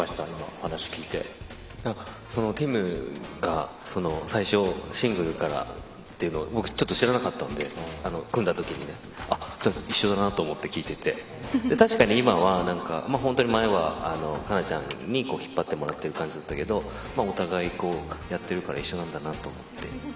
ティムが、最初シングルからっていうのを僕は知らなかったので組んだ時に一緒だなと思って聞いてて確かに今は本当に前は哉中ちゃんに引っ張ってもらってる感じだったけどお互いやってるから一緒なんだなと思って。